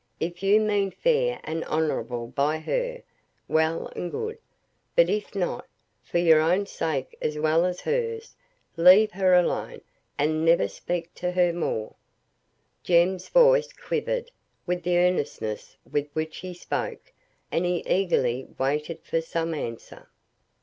If you mean fair and honourable by her, well and good; but if not, for your own sake as well as hers, leave her alone, and never speak to her more." Jem's voice quivered with the earnestness with which he spoke, and he eagerly waited for some answer.